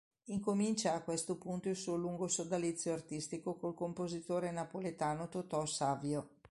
Incomincia a questo punto il suo lungo sodalizio artistico col compositore napoletano Totò Savio.